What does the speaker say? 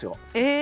え！